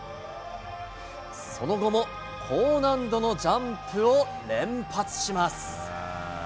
その後も高難度のジャンプを連発します。